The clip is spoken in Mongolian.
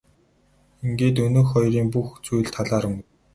Ингээд өнөөх хоёрын бүх зүйл талаар өнгөрөв.